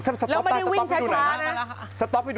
เราไม่ได้วินใช้คล้านะ